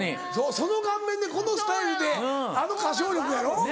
その顔面でこのスタイルであの歌唱力やろう？